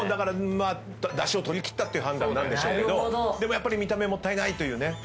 だしを取り切ったっていう判断なんでしょうけどでも見た目もったいないというね。